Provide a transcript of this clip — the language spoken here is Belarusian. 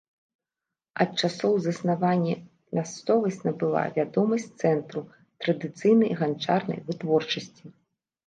Ад часоў заснавання мясцовасць набыла вядомасць цэнтру традыцыйнай ганчарнай вытворчасці.